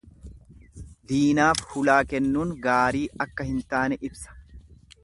Diinaaf hulaa kennuun gaarii akka hin taane ibsa.